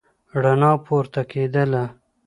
رڼا پورته کېدله.